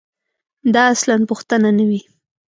دا اصلاً پوښتنه نه وي.